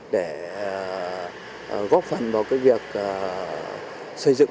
để góp phần vào các hộ vay